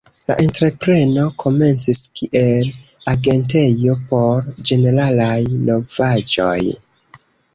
La entrepreno komencis kiel agentejo por ĝeneralaj novaĵoj.